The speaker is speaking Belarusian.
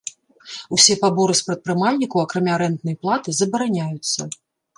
Усе паборы з прадпрымальнікаў, акрамя арэнднай платы, забараняюцца.